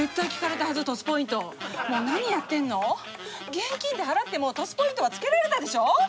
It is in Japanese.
現金で払ってもＴＯＳポイントは付けられたでしょ！？